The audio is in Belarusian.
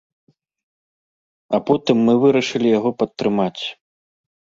А потым мы вырашылі яго падтрымаць.